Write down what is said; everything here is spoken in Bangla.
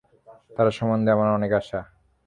তার সম্বন্ধে আমার অনেক আশা।